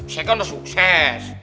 saya kan udah sukses